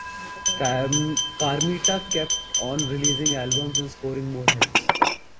Carmita kept on releasing albums and scoring more hits.